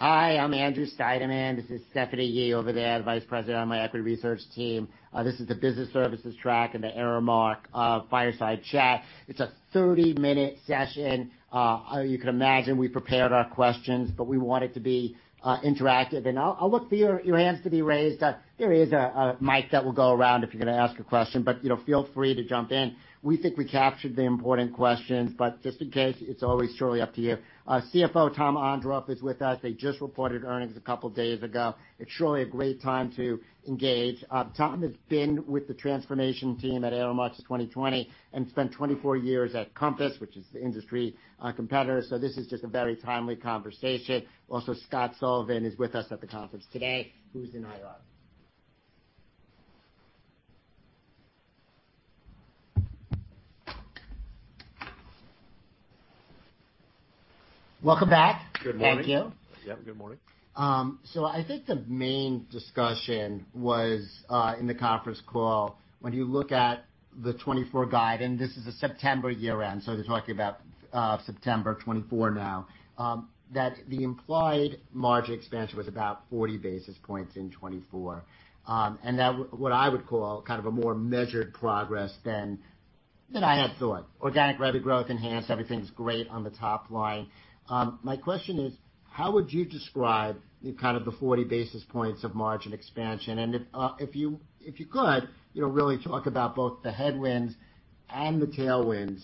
Hi, I'm Andrew Steinerman. This is Stephanie Yee over there, Vice President on my Equity Research team. This is the Business Services track and the Aramark Fireside Chat. It's a 30-minute session. You can imagine we prepared our questions, but we want it to be interactive. And I'll look for your hands to be raised. There is a mic that will go around if you're gonna ask a question, but you know, feel free to jump in. We think we captured the important questions, but just in case, it's always truly up to you. Our CFO, Tom Ondrof, is with us. They just reported earnings a couple days ago. It's truly a great time to engage. Tom has been with the transformation team at Aramark since 2020 and spent 24 years at Compass, which is the industry competitor. This is just a very timely conversation. Also, Scott Sullivan is with us at the conference today, who's in IR. Welcome back. Good morning. Thank you. Yep, good morning. So I think the main discussion was in the conference call, when you look at the 2024 guide, and this is a September year-end, so they're talking about September 2024 now, that the implied margin expansion was about 40 basis points in 2024. And that what I would call kind of a more measured progress than I had thought. Organic revenue growth enhanced, everything's great on the top line. My question is: How would you describe the kind of the 40 basis points of margin expansion? And if you could, you know, really talk about both the headwinds and the tailwinds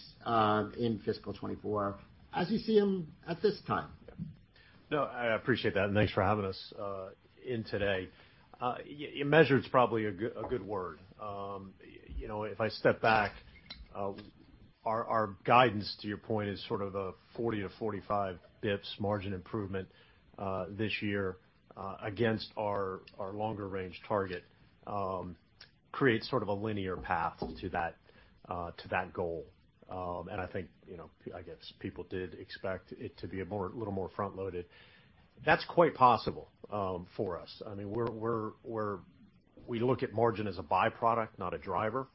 in fiscal 2024, as you see them at this time? No, I appreciate that, and thanks for having us in today. Measured is probably a good word. You know, if I step back, our guidance, to your point, is sort of a 40-45 bips margin improvement this year against our longer range target creates sort of a linear path to that goal. And I think, you know, I guess people did expect it to be a little more front-loaded. That's quite possible for us. I mean, we look at margin as a byproduct, not a driver.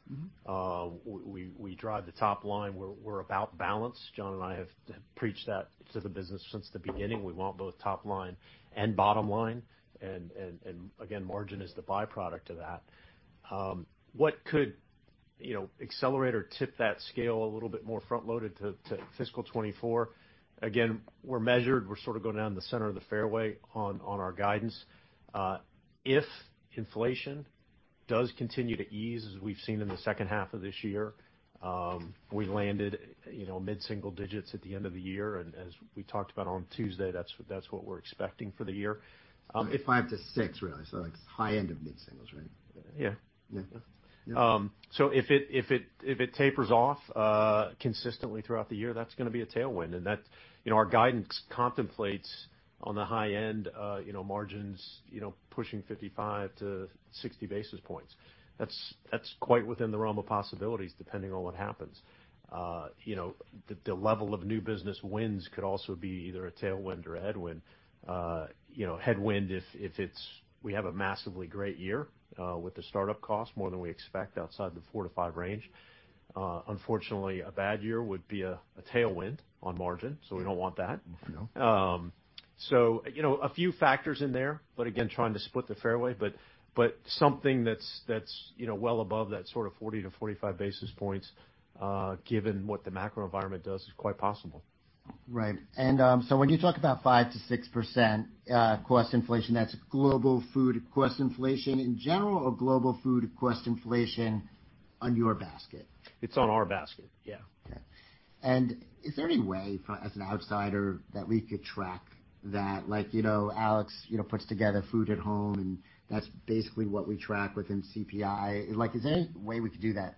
We drive the top line. We're about balance. John and I have preached that to the business since the beginning. We want both top line and bottom line, and again, margin is the byproduct of that. What could, you know, accelerate or tip that scale a little bit more front-loaded to fiscal 2024? Again, we're measured. We're sort of going down the center of the fairway on our guidance. If inflation does continue to ease, as we've seen in the second half of this year, we landed, you know, mid-single digits at the end of the year. And as we talked about on Tuesday, that's what we're expecting for the year. If- 5-6, really, so like high end of mid-singles, right? Yeah. Yeah. So if it tapers off consistently throughout the year, that's gonna be a tailwind. You know, our guidance contemplates on the high end, you know, margins, you know, pushing 55-60 basis points. That's quite within the realm of possibilities, depending on what happens. You know, the level of new business wins could also be either a tailwind or a headwind. You know, headwind if we have a massively great year with the startup cost more than we expect outside the 4-5 range. Unfortunately, a bad year would be a tailwind on margin, so we don't want that. No. So, you know, a few factors in there, but again, trying to split the fairway. But something that's, you know, well above that sort of 40-45 basis points, given what the macro environment does, is quite possible. Right. And, so when you talk about 5%-6% cost inflation, that's global food cost inflation in general or global food cost inflation on your basket? It's on our basket, yeah. Okay. And is there any way, from an outsider, that we could track that? Like, you know, Alex, you know, puts together food at home, and that's basically what we track within CPI. Like, is there any way we could do that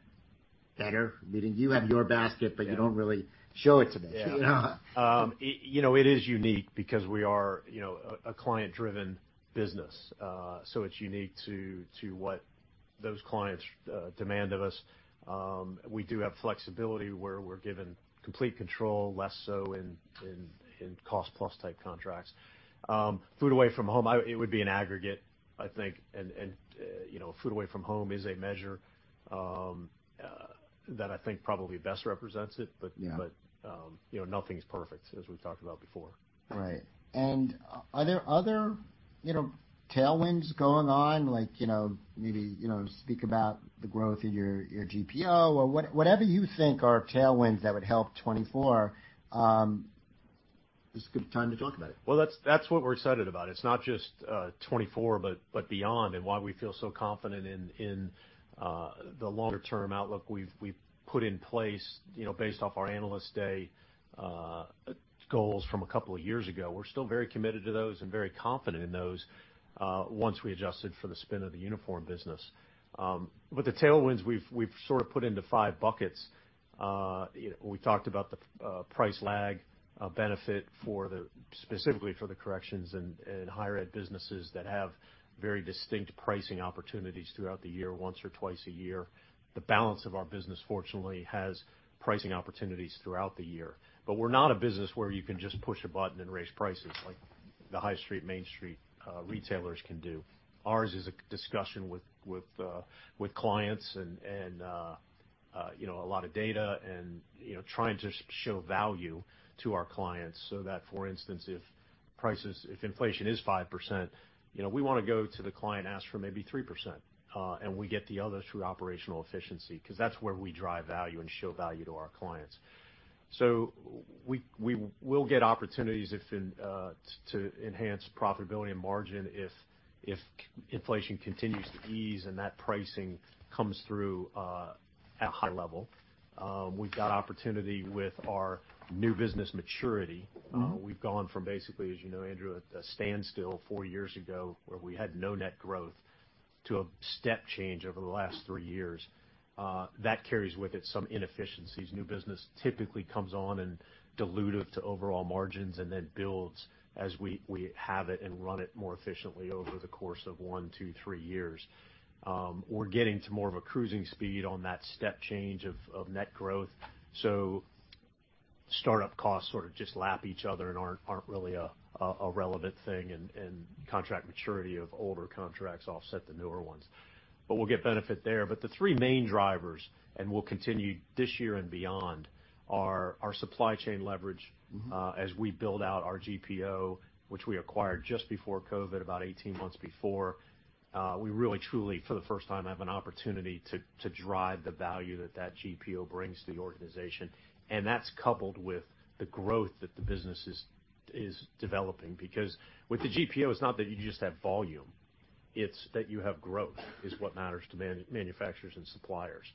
better? Meaning, you have your basket- Yeah. - but you don't really show it to me. Yeah. You know, it is unique because we are, you know, a client-driven business. So it's unique to what those clients demand of us. We do have flexibility, where we're given complete control, less so in cost-plus type contracts. Food away from home, it would be an aggregate, I think. And, you know, food away from home is a measure that I think probably best represents it. Yeah. But, you know, nothing's perfect, as we've talked about before. Right. And are there other, you know, tailwinds going on? Like, you know, maybe, you know, speak about the growth of your, your GPO or what- whatever you think are tailwinds that would help 2024, this is a good time to talk about it. Well, that's, that's what we're excited about. It's not just 2024, but, but beyond, and why we feel so confident in, in, the longer-term outlook we've, we've put in place, you know, based off our Analyst Day goals from a couple of years ago. We're still very committed to those and very confident in those, once we adjusted for the spin of the uniform business. But the tailwinds, we've, we've sort of put into five buckets. You know, we talked about the, price lag, benefit for the, specifically for the corrections and, and higher ed businesses that have very distinct pricing opportunities throughout the year, once or twice a year. The balance of our business, fortunately, has pricing opportunities throughout the year. But we're not a business where you can just push a button and raise prices, like the High Street, Main Street, retailers can do. Ours is a discussion with clients and a lot of data and, you know, trying to show value to our clients so that, for instance, if prices, if inflation is 5%, you know, we wanna go to the client, ask for maybe 3%, and we get the other through operational efficiency, 'cause that's where we drive value and show value to our clients. So we will get opportunities to enhance profitability and margin, if inflation continues to ease and that pricing comes through at a high level. We've got opportunity with our new business maturity. We've gone from basically, as you know, Andrew, a standstill four years ago, where we had no net growth, to a step change over the last three years. That carries with it some inefficiencies. New business typically comes on and dilutive to overall margins and then builds as we have it and run it more efficiently over the course of one, two, three years. We're getting to more of a cruising speed on that step change of net growth. So startup costs sort of just lap each other and aren't really a relevant thing, and contract maturity of older contracts offset the newer ones. But we'll get benefit there. But the three main drivers, and will continue this year and beyond, are our supply chain leverage- As we build out our GPO, which we acquired just before COVID, about 18 months before. We really, truly, for the first time, have an opportunity to drive the value that that GPO brings to the organization. And that's coupled with the growth that the business is developing. Because with the GPO, it's not that you just have volume, it's that you have growth, is what matters to manufacturers and suppliers.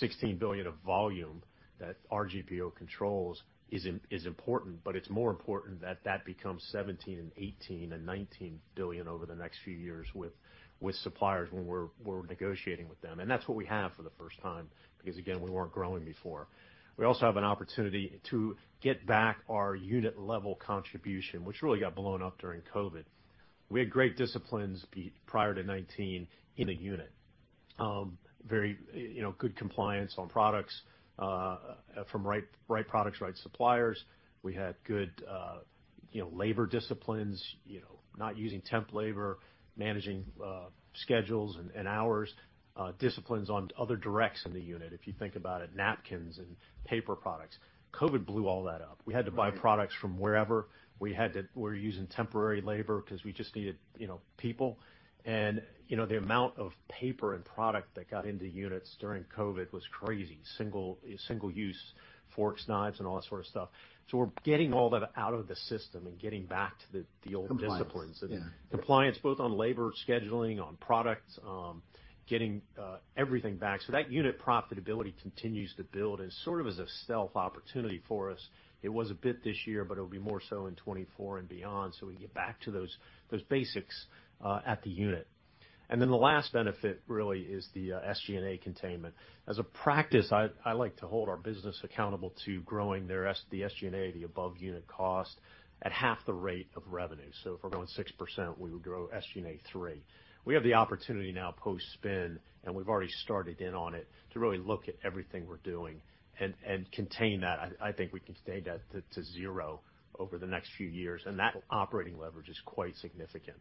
$16 billion of volume that our GPO controls is important, but it's more important that that becomes $17 billion, $18 billion, and $19 billion over the next few years with suppliers when we're negotiating with them. And that's what we have for the first time because, again, we weren't growing before. We also have an opportunity to get back our unit level contribution, which really got blown up during COVID. We had great disciplines, Pete, prior to 2019 in a unit. Very, you know, good compliance on products from right products, right suppliers. We had good, you know, labor disciplines, you know, not using temp labor, managing schedules and hours, disciplines on other directs in the unit. If you think about it, napkins and paper products. COVID blew all that up. We had to buy products from wherever. We're using temporary labor 'cause we just needed, you know, people. You know, the amount of paper and product that got into units during COVID was crazy. Single use forks, knives, and all that sort of stuff. We're getting all that out of the system and getting back to the old disciplines. Compliance, yeah. Compliance, both on labor, scheduling, on products, getting everything back. So that unit profitability continues to build and sort of as a stealth opportunity for us. It was a bit this year, but it'll be more so in 2024 and beyond, so we can get back to those basics at the unit. And then the last benefit really is the SG&A containment. As a practice, I like to hold our business accountable to growing their SG&A, the above unit cost, at half the rate of revenue. So if we're growing 6%, we would grow SG&A 3%. We have the opportunity now post-spin, and we've already started in on it, to really look at everything we're doing and contain that. I think we can contain that to zero over the next few years, and that operating leverage is quite significant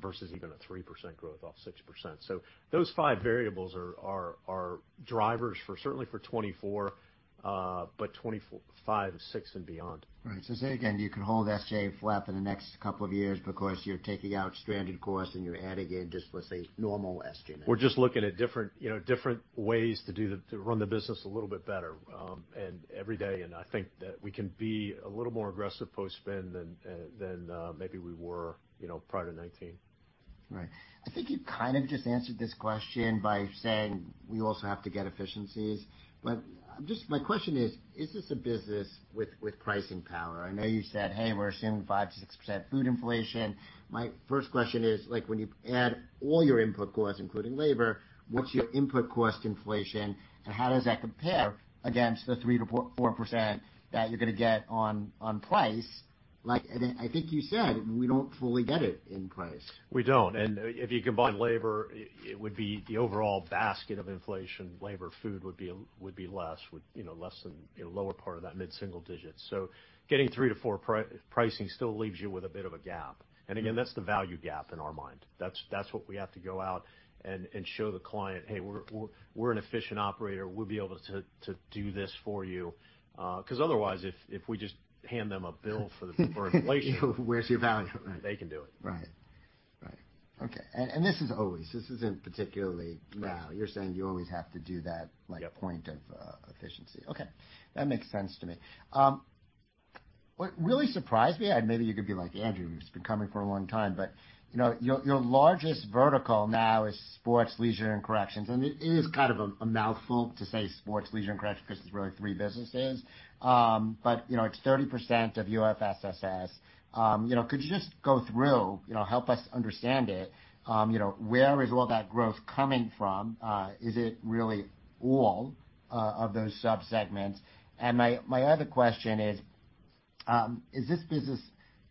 versus even a 3% growth off 6%. So those five variables are drivers for certainly for 2024, but 2024, 2025, 2026 and beyond. Right. So say again, you can hold SG&A flat for the next couple of years because you're taking out stranded costs and you're adding in just, let's say, normal SG&A. We're just looking at different, you know, different ways to do the, to run the business a little bit better, and every day, and I think that we can be a little more aggressive post-spin than, than, maybe we were, you know, prior to 2019. Right. I think you kind of just answered this question by saying we also have to get efficiencies. But just my question is: Is this a business with, with pricing power? I know you said, "Hey, we're assuming 5%-6% food inflation." My first question is, like, when you add all your input costs, including labor, what's your input cost inflation, and how does that compare against the 3%-4% that you're gonna get on, on price? Like, and I think you said, we don't fully get it in price. We don't. And if you combine labor, it would be the overall basket of inflation. Labor, food would be less, with, you know, less than in a lower part of that mid-single digits. So getting 3-4 pricing still leaves you with a bit of a gap. And again, that's the value gap in our mind. That's what we have to go out and show the client, "Hey, we're an efficient operator. We'll be able to do this for you." 'Cause otherwise, if we just hand them a bill for the—for inflation— Where's your value? Right. They can do it. Right. Right. Okay, and this is always. This isn't particularly now. Right. You're saying you always have to do that? Yep -like, point of efficiency. Okay, that makes sense to me. What really surprised me, and maybe you could be like, Andrew, who's been coming for a long time, but, you know, your largest vertical now is sports, leisure, and corrections. And it is kind of a mouthful to say sports, leisure, and corrections because it's really three businesses. But, you know, it's 30% of U.S. FSS. You know, could you just go through, you know, help us understand it? You know, where is all that growth coming from? Is it really all of those subsegments? And my other question is, is this business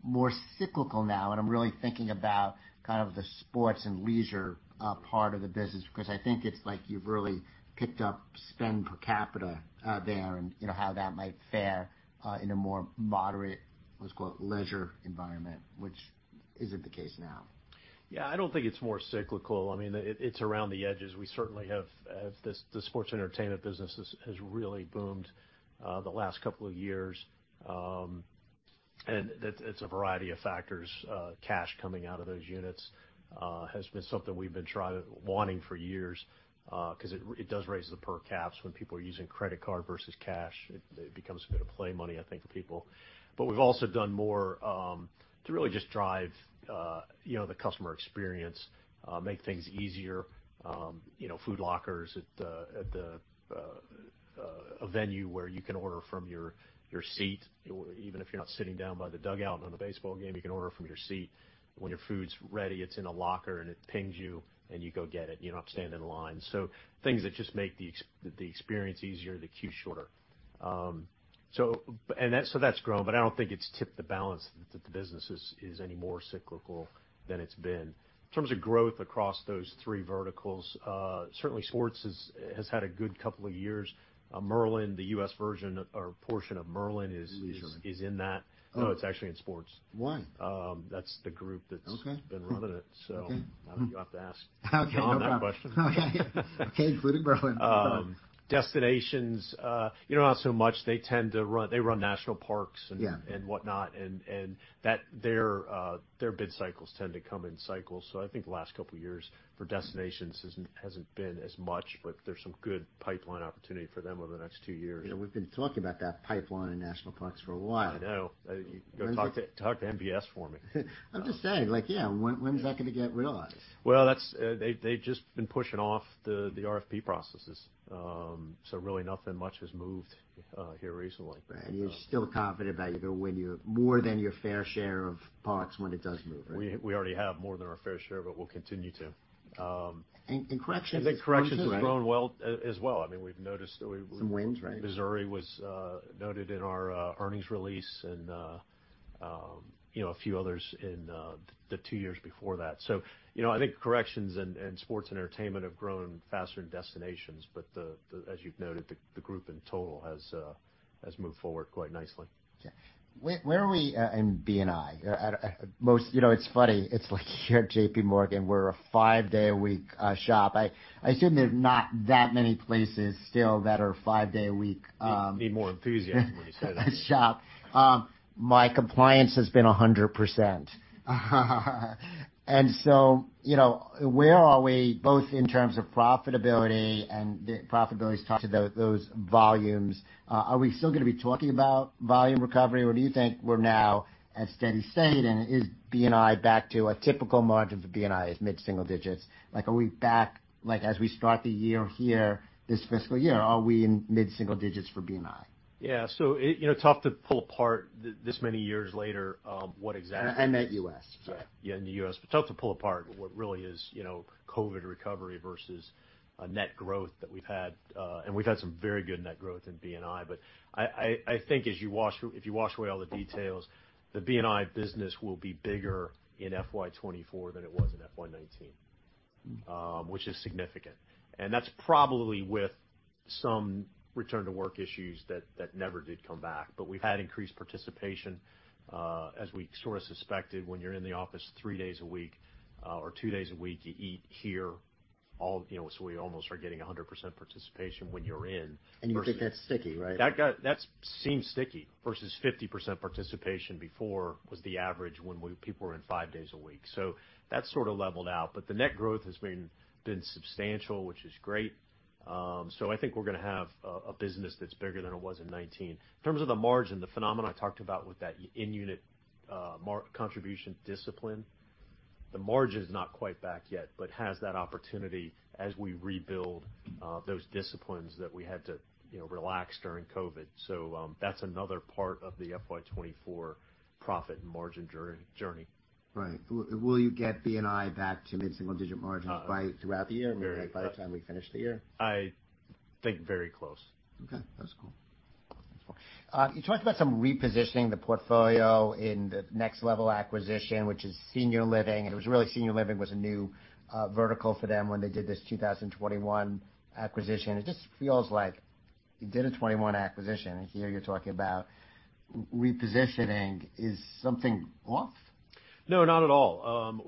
more cyclical now? I'm really thinking about kind of the sports and leisure part of the business, because I think it's like you've really picked up spend per capita there, and, you know, how that might fare in a more moderate, let's quote, "leisure environment." Is it the case now? Yeah, I don't think it's more cyclical. I mean, it's around the edges. We certainly have this, the sports entertainment business has really boomed the last couple of years. And it's a variety of factors, cash coming out of those units has been something we've been wanting for years, 'cause it does raise the per caps when people are using credit card versus cash. It becomes a bit of play money, I think, for people. But we've also done more to really just drive you know the customer experience make things easier you know food lockers at a venue where you can order from your seat. Or even if you're not sitting down by the dugout on a baseball game, you can order from your seat. When your food's ready, it's in a locker, and it pings you, and you go get it. You don't have to stand in line. So things that just make the experience easier, the queue shorter. So that's grown, but I don't think it's tipped the balance that the business is any more cyclical than it's been. In terms of growth across those three verticals, certainly sports has had a good couple of years. Merlin, the US version or portion of Merlin is- Merlin. is in that. Oh, it's actually in sports. Why? That's the group that's- Okay. -been running it. Okay. So you'll have to ask- Okay, no problem. -John, that question. Okay, including Merlin. Destinations, you know, not so much. They tend to run - they run national parks - Yeah and whatnot, and that their bid cycles tend to come in cycles. So I think the last couple of years for destinations hasn't been as much, but there's some good pipeline opportunity for them over the next two years. You know, we've been talking about that pipeline in national parks for a while. I know. You go talk to NPS for me. I'm just saying, like, yeah, when, when is that gonna get realized? Well, they've just been pushing off the RFP processes. So really, nothing much has moved here recently. Right. And you're still confident that you're gonna win more than your fair share of parks when it does move, right? We already have more than our fair share, but we'll continue to. And corrections- I think corrections has grown well, as well. I mean, we've noticed that we- Some wins, right? Missouri was noted in our earnings release and you know, a few others in the two years before that. So, you know, I think corrections and sports and entertainment have grown faster than destinations, but the, as you've noted, the group in total has moved forward quite nicely. Okay. Where are we in B&I? At most. You know, it's funny. It's like here at J.P. Morgan, we're a five-day-a-week shop. I assume there's not that many places still that are five-day a week. Need more enthusiasm when you say that. -shop. My compliance has been 100%. And so, you know, where are we, both in terms of profitability and the profitability is tied to those volumes? Are we still gonna be talking about volume recovery, or do you think we're now at steady state, and is B&I back to a typical margin for B&I is mid-single digits? Like, are we back—like, as we start the year here, this fiscal year, are we in mid-single digits for B&I? Yeah. So, it, you know, tough to pull apart this many years later, what exactly- And net U.S., sorry. Yeah, in the U.S. But tough to pull apart what really is, you know, COVID recovery versus a net growth that we've had. And we've had some very good net growth in B&I, but I think if you wash away all the details, the B&I business will be bigger in FY 2024 than it was in FY 2019. Which is significant. And that's probably with some return to work issues that never did come back. But we've had increased participation, as we sort of suspected, when you're in the office three days a week, or two days a week, you eat here, you know, so we almost are getting 100% participation when you're in- You think that's sticky, right? That seems sticky versus 50% participation before was the average when people were in five days a week. So that sort of leveled out, but the net growth has been substantial, which is great. So I think we're gonna have a business that's bigger than it was in 2019. In terms of the margin, the phenomena I talked about with that in-unit margin contribution discipline, the margin's not quite back yet, but has that opportunity as we rebuild those disciplines that we had to, you know, relax during COVID. So that's another part of the FY 2024 profit and margin journey. Right. Will you get B&I back to mid-single-digit margins by throughout the year, or by the time we finish the year? I think very close. Okay, that's cool. You talked about some repositioning the portfolio in the Next Level acquisition, which is senior living, and it was really senior living was a new vertical for them when they did this 2021 acquisition. It just feels like you did a 2021 acquisition, and here you're talking about repositioning. Is something off? No, not at all.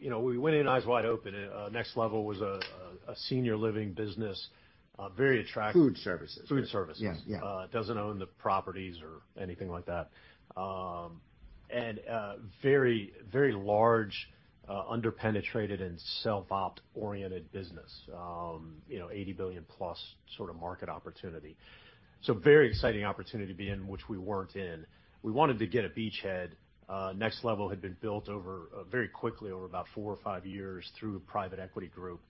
You know, we went in eyes wide open. Next Level was a senior living business, very attractive. Food services. Food services. Yes. Yeah. Doesn't own the properties or anything like that. And very, very large, underpenetrated and self-op oriented business. You know, $80 billion plus sort of market opportunity. So very exciting opportunity to be in, which we weren't in. We wanted to get a beachhead. Next Level had been built over very quickly, over about four or five years through a private equity group.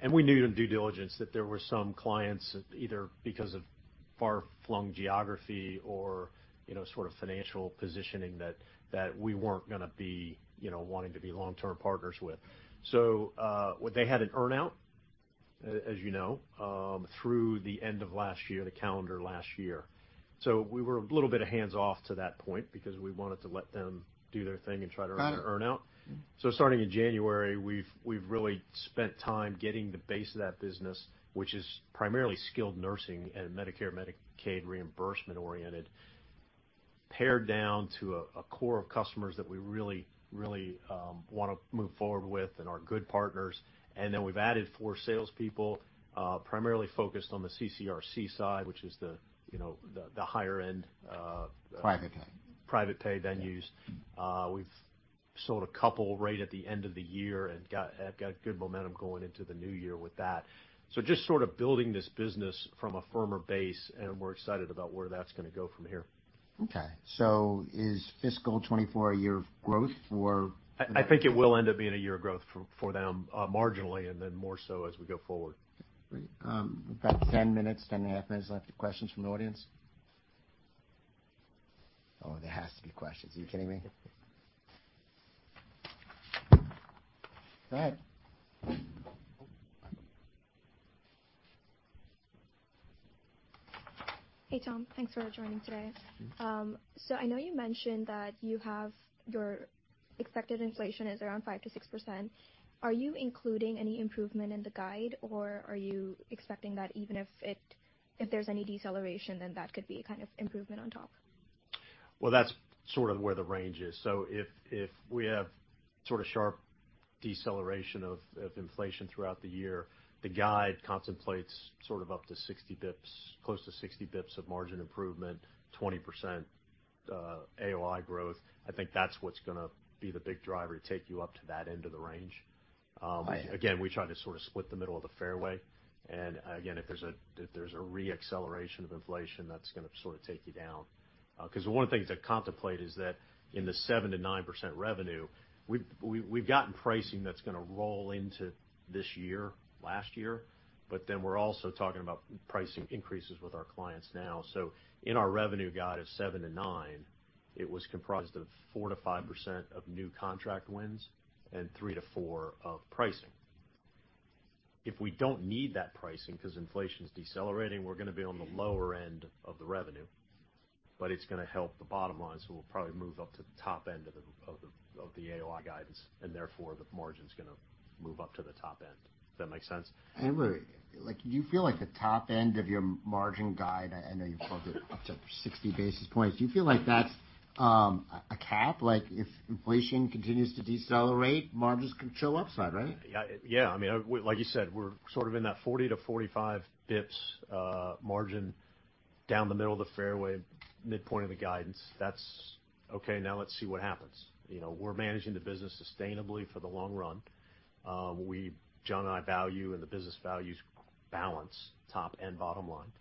And we knew in due diligence that there were some clients, either because of far-flung geography or, you know, sort of financial positioning, that we weren't gonna be, you know, wanting to be long-term partners with. So, they had an earn-out, as you know, through the end of last year, the calendar last year. So we were a little bit hands-off to that point because we wanted to let them do their thing and try to earn their earn-out.... So starting in January, we've really spent time getting the base of that business, which is primarily skilled nursing and Medicare, Medicaid, reimbursement-oriented, pared down to a core of customers that we really, really wanna move forward with and are good partners. And then we've added four salespeople, primarily focused on the CCRC side, which is the, you know, the higher end, uh- Private pay. Private pay venues. We've sold a couple right at the end of the year and have got good momentum going into the new year with that. So just sort of building this business from a firmer base, and we're excited about where that's gonna go from here. Okay, so is fiscal 2024 a year of growth or? I think it will end up being a year of growth for them, marginally, and then more so as we go forward. Great. About 10 minutes, 10.5 minutes left of questions from the audience. Oh, there has to be questions. Are you kidding me? Go ahead. Hey, Tom. Thanks for joining today. Thanks. So, I know you mentioned that you have your expected inflation is around 5%-6%. Are you including any improvement in the guide, or are you expecting that even if it, if there's any deceleration, then that could be a kind of improvement on top? Well, that's sort of where the range is. So if we have sort of sharp deceleration of inflation throughout the year, the guide contemplates sort of up to 60 bips, close to 60 bips of margin improvement, 20% AOI growth. I think that's what's gonna be the big driver to take you up to that end of the range. Again, we try to sort of split the middle of the fairway. And again, if there's a reacceleration of inflation, that's gonna sort of take you down. 'Cause one of the things that contemplate is that in the 7%-9% revenue, we've gotten pricing that's gonna roll into this year, last year, but then we're also talking about pricing increases with our clients now. So in our revenue guide of 7%-9%, it was comprised of 4%-5% of new contract wins and 3%-4% of pricing. If we don't need that pricing because inflation's decelerating, we're gonna be on the lower end of the revenue, but it's gonna help the bottom line, so we'll probably move up to the top end of the AOI guidance, and therefore, the margin's gonna move up to the top end. Does that make sense? Where—like, do you feel like the top end of your margin guide? I know you put it up to 60 basis points. Do you feel like that's a cap? Like, if inflation continues to decelerate, margins can show upside, right? Yeah. Yeah, I mean, like you said, we're sort of in that 40-45 bips margin down the middle of the fairway, midpoint of the guidance. That's okay. Now, let's see what happens. You know, we're managing the business sustainably for the long run. We, John and I, value, and the business values balance, top and bottom line.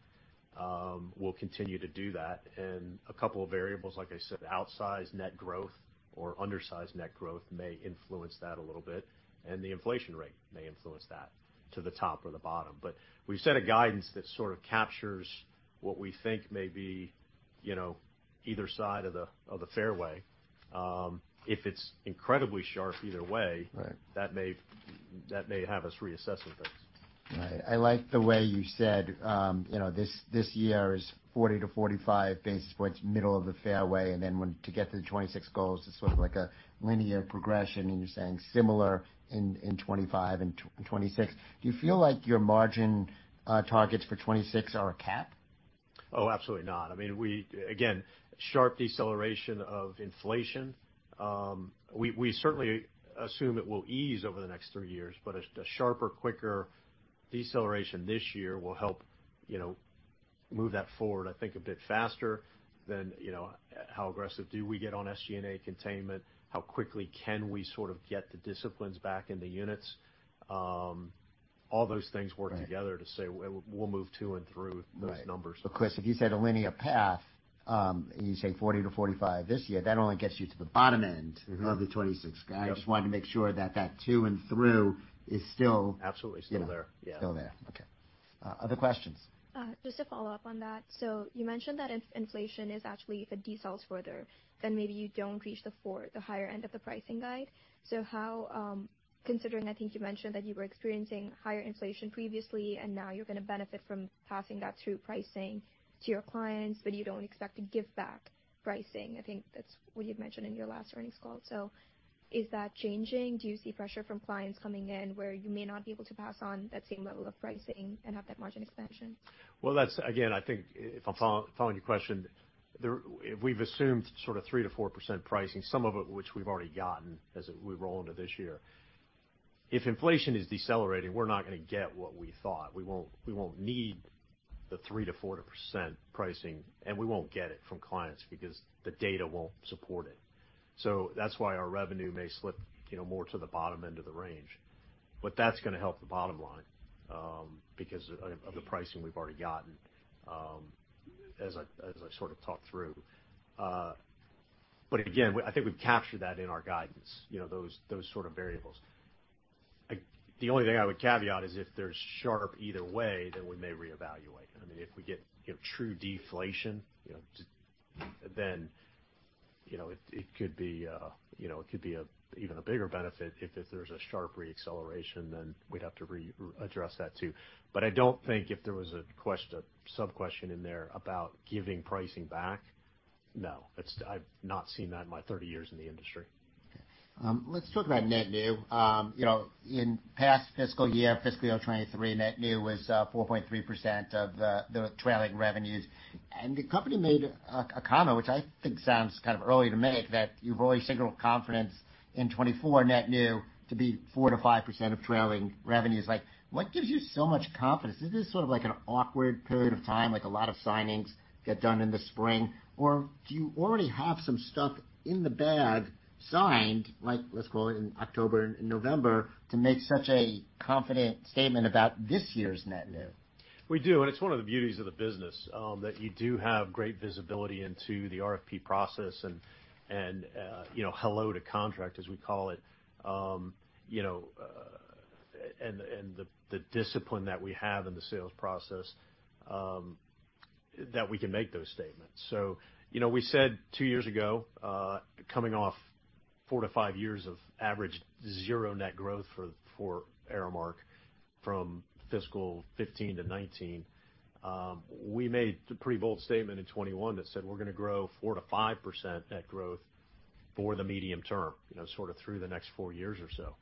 We'll continue to do that. And a couple of variables, like I said, outsized net growth or undersized net growth may influence that a little bit, and the inflation rate may influence that to the top or the bottom. But we've set a guidance that sort of captures what we think may be, you know, either side of the, of the fairway. If it's incredibly sharp either way- Right. That may have us reassessing things. Right. I like the way you said, you know, this year is 40-45 basis points, middle of the fairway, and then to get to the 2026 goals is sort of like a linear progression, and you're saying similar in 2025 and 2026. Do you feel like your margin targets for 2026 are a cap? Oh, absolutely not. I mean, we again sharp deceleration of inflation. We certainly assume it will ease over the next three years, but a sharper, quicker deceleration this year will help, you know, move that forward, I think, a bit faster than, you know, how aggressive do we get on SG&A containment? How quickly can we sort of get the disciplines back in the units? All those things work together. Right. -to say we'll, we'll move to and through those numbers. Right. Of course, if you said a linear path, and you say 40-45 this year, that only gets you to the bottom end- Mm-hmm. -of the '26 guide. Yeah. I just wanted to make sure that to and through is still- Absolutely, still there. Yeah, still there. Okay. Other questions? Just to follow up on that. So you mentioned that inflation is actually, if it decelerates further, then maybe you don't reach the 4, the higher end of the pricing guide. So how, considering, I think you mentioned that you were experiencing higher inflation previously, and now you're gonna benefit from passing that through pricing to your clients, but you don't expect to give back pricing. I think that's what you've mentioned in your last earnings call. So is that changing? Do you see pressure from clients coming in, where you may not be able to pass on that same level of pricing and have that margin expansion? Well, that's. Again, I think if I'm following your question, we've assumed sort of 3%-4% pricing, some of it, which we've already gotten as we roll into this year. If inflation is decelerating, we're not gonna get what we thought. We won't, we won't need the 3%-4% pricing, and we won't get it from clients because the data won't support it. So that's why our revenue may slip, you know, more to the bottom end of the range. But that's gonna help the bottom line, because of the pricing we've already gotten, as I sort of talked through. But again, I think we've captured that in our guidance, you know, those sort of variables. Like, the only thing I would caveat is if there's sharp either way, then we may reevaluate. I mean, if we get, you know, true deflation, you know, just, then, you know, it, it could be, you know, it could be a even a bigger benefit. If, if there's a sharp reacceleration, then we'd have to readdress that, too. But I don't think if there was a question – a subquestion in there about giving pricing back... No, it's, I've not seen that in my 30 years in the industry. Let's talk about net new. You know, in past fiscal year, fiscal year 2023, net new was 4.3% of the trailing revenues. The company made a comment, which I think sounds kind of early to make, that you've already signaled confidence in 2024 net new to be 4%-5% of trailing revenues. Like, what gives you so much confidence? Is this sort of like an awkward period of time, like a lot of signings get done in the spring? Or do you already have some stuff in the bag signed, like, let's call it in October and November, to make such a confident statement about this year's net new? We do, and it's one of the beauties of the business, that you do have great visibility into the RFP process, and you know, hello to contract, as we call it. You know, and the discipline that we have in the sales process, that we can make those statements. So, you know, we said two years ago, coming off 4-5 years of average zero net growth for Aramark from fiscal 2015 to 2019, we made a pretty bold statement in 2021 that said we're gonna grow 4%-5% net growth for the medium term, you know, sort of through the next 4 years or so.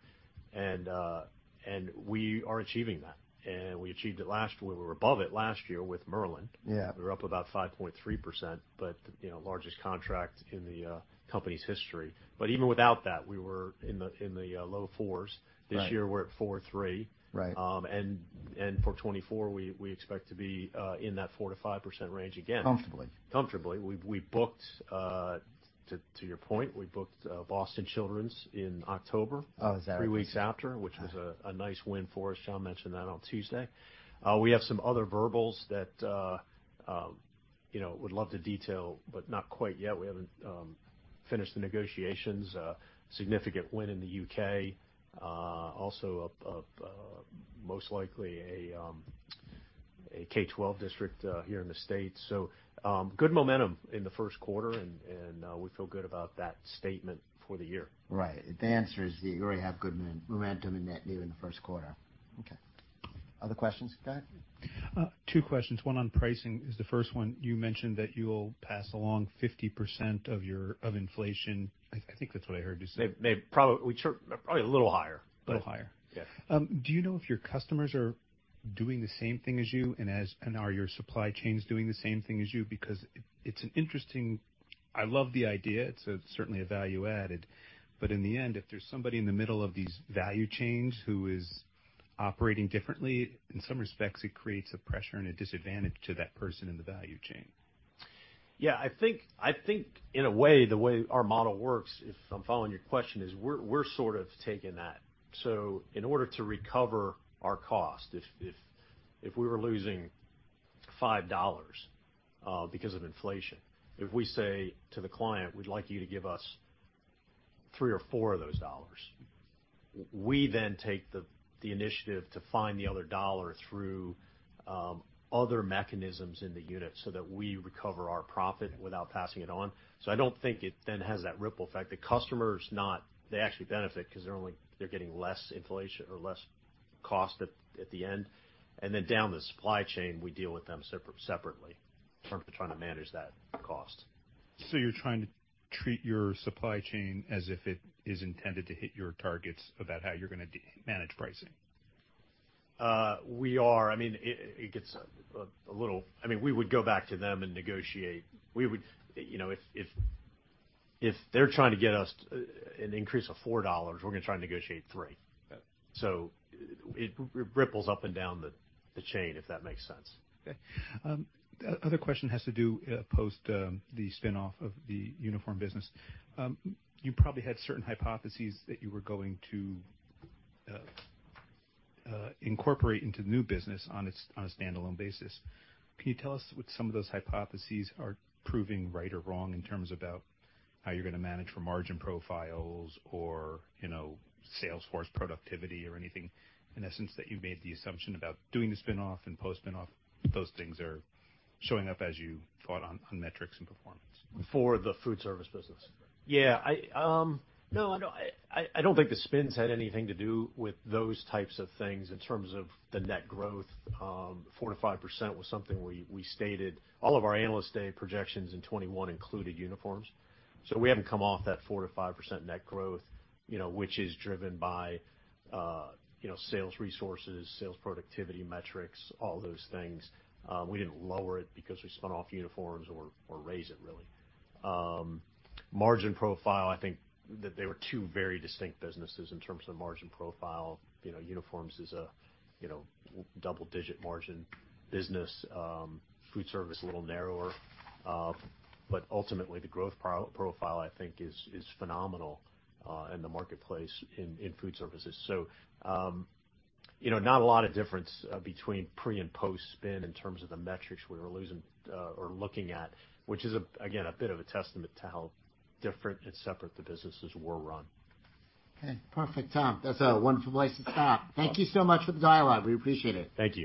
And we are achieving that, and we achieved it last year. We were above it last year with Merlin. Yeah. We were up about 5.3%, but, you know, largest contract in the company's history. But even without that, we were in the low 4s. Right. This year, we're at 43. Right. For 2024, we expect to be in that 4%-5% range again. Comfortably. Comfortably. To your point, we booked Boston Children's in October- Oh, is that right? Three weeks after, which was a nice win for us. John mentioned that on Tuesday. We have some other verbals that, you know, would love to detail, but not quite yet. We haven't finished the negotiations. Significant win in the UK, also of most likely a K-12 district here in the States. So, good momentum in the first quarter, and we feel good about that statement for the year. Right. The answer is that you already have good momentum and net new in the first quarter. Okay. Other questions, Scott? Two questions. One on pricing is the first one. You mentioned that you will pass along 50% of your, of inflation. I think that's what I heard you say. Maybe, probably, we took probably a little higher. Little higher. Yes. Do you know if your customers are doing the same thing as you, and are your supply chains doing the same thing as you? Because it's an interesting... I love the idea. It's certainly a value added, but in the end, if there's somebody in the middle of these value chains who is operating differently, in some respects, it creates a pressure and a disadvantage to that person in the value chain. Yeah, I think, I think in a way, the way our model works, if I'm following your question, is we're, we're sort of taking that. So in order to recover our cost, if we were losing $5 because of inflation, if we say to the client, "We'd like you to give us $3 or $4 of those dollars," we then take the initiative to find the other dollar through other mechanisms in the unit so that we recover our profit without passing it on. So I don't think it then has that ripple effect. The customer's not. They actually benefit because they're only getting less inflation or less cost at the end. And then, down the supply chain, we deal with them separately, trying to manage that cost. You're trying to treat your supply chain as if it is intended to hit your targets about how you're gonna manage pricing? We are. I mean, it gets a little. I mean, we would go back to them and negotiate. We would... You know, if they're trying to get us an increase of $4, we're gonna try and negotiate $3. Got it. So it ripples up and down the chain, if that makes sense. Okay. Other question has to do, post the spin-off of the uniform business. You probably had certain hypotheses that you were going to incorporate into the new business on its, on a standalone basis. Can you tell us what some of those hypotheses are proving right or wrong in terms about how you're gonna manage for margin profiles or, you know, sales force productivity or anything, in essence, that you made the assumption about doing the spin-off and post-spin-off, those things are showing up as you thought on, on metrics and performance? For the food service business? Yeah. I, no, I don't, I don't think the spins had anything to do with those types of things in terms of the net growth. Four to five percent was something we stated. All of our Analyst Day projections in 2021 included uniforms, so we haven't come off that 4%-5% net growth, you know, which is driven by, you know, sales resources, sales productivity metrics, all those things. We didn't lower it because we spun off uniforms or raise it, really. Margin profile, I think that they were two very distinct businesses in terms of margin profile. You know, uniforms is a, you know, double-digit margin business. Food service, a little narrower, but ultimately, the growth profile, I think, is phenomenal, in the marketplace in food services. So, you know, not a lot of difference between pre and post-spin in terms of the metrics we were losing or looking at, which is, again, a bit of a testament to how different and separate the businesses were run. Okay, perfect, Tom. That's a wonderful place to stop. Thank you so much for the dialogue. We appreciate it. Thank you.